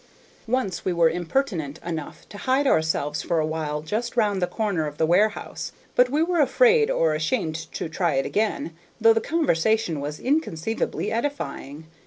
Once we were impertinent enough to hide ourselves for a while just round the corner of the warehouse, but we were afraid or ashamed to try it again, though the conversation was inconceivably edifying.